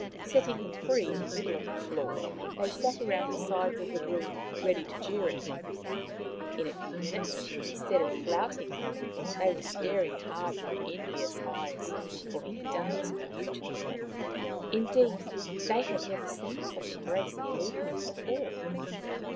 Setting him free in the middle of the floor, they sat round the sides of the room ready to jeer him. In a few minutes, instead of flouting him they were staring hard with envious eyes, for he danced beautifully. Indeed, they had never seen such grace of movement before.